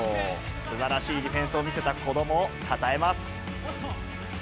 すばらしいディフェンスを見せた子どもをたたえます。